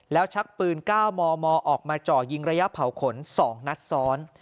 แล้วชักปืน๙มมออกมาเจาะยิงระยะเผาขน๒นัดซ้อน